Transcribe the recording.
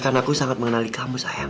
karena aku sangat mengenali kamu sayang